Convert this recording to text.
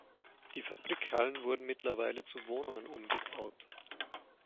Die Fabrikhallen wurden mittlerweile zu Wohnungen umgebaut.